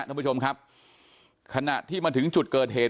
ท่านผู้ชมครับขณะที่มาถึงจุดเกิดเหตุ